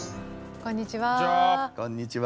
こんにちは。